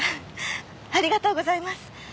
ありがとうございます。